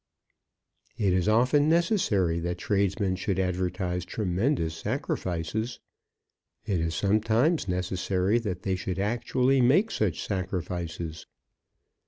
It is often necessary that tradesmen should advertise tremendous sacrifices. It is sometimes necessary that they should actually make such sacrifices.